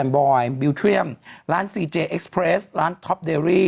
บอยบิวเทรียมร้านสี่เจยเห็็็สแพรสร้านทอปเดรรี้